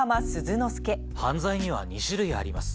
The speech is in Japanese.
「犯罪には２種類あります